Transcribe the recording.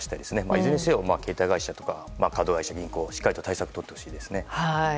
いずれにせよ、携帯会社カード会社、銀行しっかり対策をとってほしいですね。